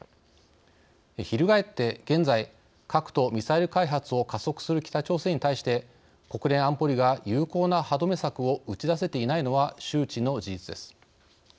翻って、現在核とミサイル開発を加速する北朝鮮に対して国連安保理が有効な歯止め策を打ち出せていないのは周知の事実です。